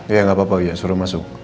iya gak apa apa uya suruh masuk